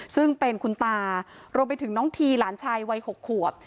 ซึ่งเป็นคุณตารวมไปถึงน้องทีหลานชายวัย๖ขวบ